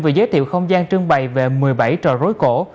vừa giới thiệu không gian trương bày về một mươi bảy trò rối cổ